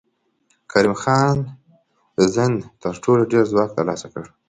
کریم خان زند تر ټولو ډېر ځواک تر لاسه کړ.